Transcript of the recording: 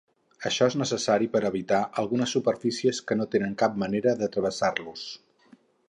Això és necessari per evitar algunes superfícies que no tenen cap manera de travessar-los.